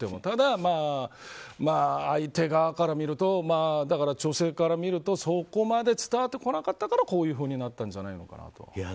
ただ相手側から見ると女性から見るとそこまで伝わってこなかったからこういうふうになったんじゃないのかなって。